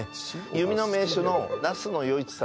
弓の名手の那須与一様